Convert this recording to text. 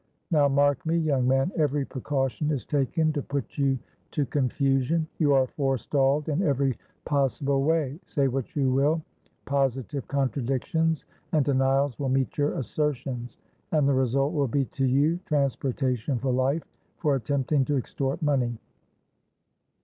Now, mark me, young man; every precaution is taken to put you to confusion. You are forestalled in every possible way. Say what you will, positive contradictions and denials will meet your assertions; and the result will be to you transportation for life, for attempting to extort money!